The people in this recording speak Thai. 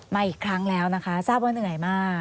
มาอีกครั้งแล้วนะคะทราบว่าเหนื่อยมาก